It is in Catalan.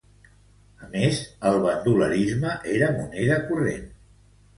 A més, el bandolerisme era moneda corrent.